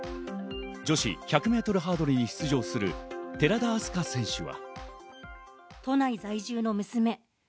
女子１００ｍハードルに出場する寺田明日香選手は。